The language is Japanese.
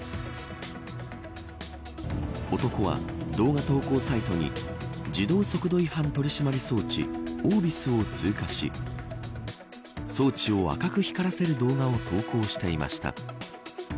男は動画投稿サイトに自動速度違反取り締まり装置オービスを通過し装置を赤く光らせる動画を投稿していました。